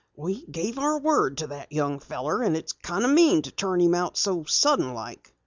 "We gave our word to the young feller, and it's kinda mean to turn him out so sudden like."